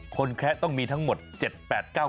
แคะต้องมีทั้งหมด๗๘๙